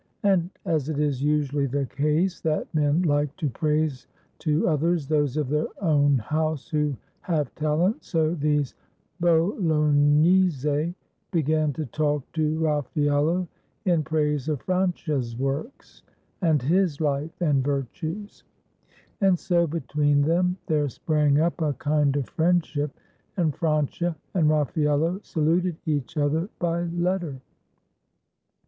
And as it is usually the case that men Hke to praise to others those of their own house who have talent, so these Bolognese began to talk to Raffaello in praise of Francia's works, and his hfe and virtues; and so between them there sprang up a kind of friendship, and Francia and Raffaello saluted each other by letter.